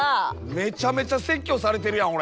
めちゃめちゃ説教されてるやん俺。